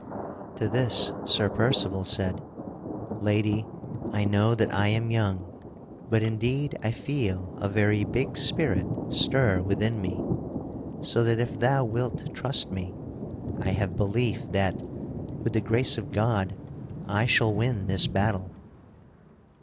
To this Sir Percival said: "Lady, I know that I am young, but indeed I feel a very big spirit stir within me, so that if thou wilt trust me, I have belief that, with the grace of God, I shall win this battle."